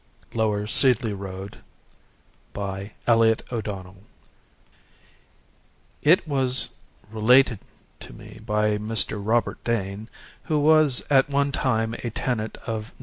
Lower Seedley Road, Seedley, Manchester_ It was related to me by Mr. Robert Dane, who was at one time a tenant of No.